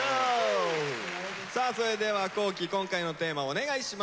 さあそれでは皇輝今回のテーマお願いします。